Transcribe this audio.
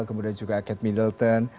kemudian juga kate middleton